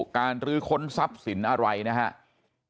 รื้อค้นทรัพย์สินอะไรนะครับ